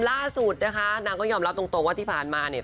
ล่าสุดนะคะนางก็ยอมรับตรงว่าที่ผ่านมาเนี่ย